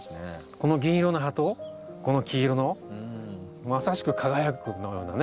この銀色の葉とこの黄色のまさしく輝くようなね